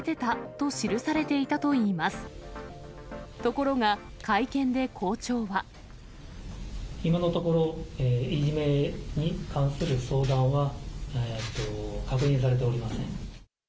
ところが、今のところ、いじめに関する相談は確認されておりません。